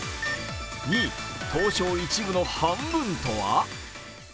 ２位、東証１部の半分とは？